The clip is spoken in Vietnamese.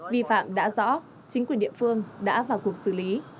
vi phạm đã rõ chính quyền địa phương đã vào cuộc xử lý